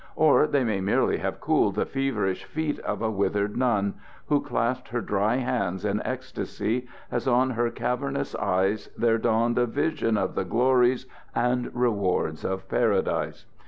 Or they may merely have cooled the feverish feet of a withered nun, who clasped her dry hands in ecstasy, as on her cavernous eyes there dawned a vision of the glories and rewards of Paradise.